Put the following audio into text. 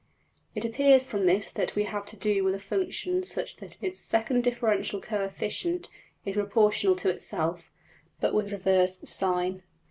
It appears from this that we have to do with a function such that its second differential coefficient is proportional to itself, but with reversed sign.